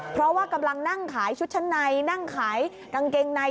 เพราะว่ากำลังนั่งขายชุดชั้นในนั่งขายกางเกงใน